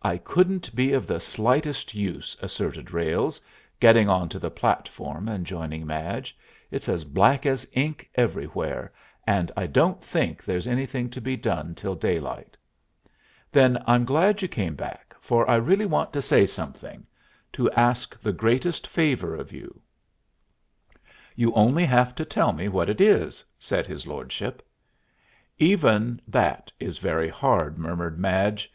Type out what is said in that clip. "I couldn't be of the slightest use," asserted Ralles, getting on to the platform and joining Madge. "It's as black as ink everywhere, and I don't think there's anything to be done till daylight." "Then I'm glad you came back, for I really want to say something, to ask the greatest favor of you." "You only have to tell me what it is," said his lordship. "Even that is very hard," murmured Madge.